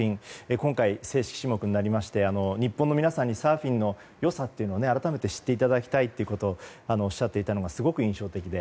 今回、選手種目になりまして日本の皆さんにサーフィンの良さを改めて知っていただきたいとおっしゃっていたのが印象的で。